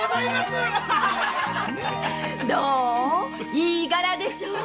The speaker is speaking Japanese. いい柄でしょう？